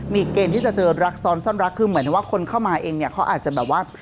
มีเกณฑ์ที่จะเจอรักซ้อนซ่อนรักคือเหมือนว่าคนเข้ามาเองเนี่ยเขาอาจจะแบบว่า